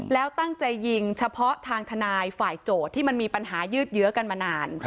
แล้วตั้งใจยิงเฉพาะทางทนายฝ่ายโจทย์ที่มันมีปัญหายืดเยอะกันมานาน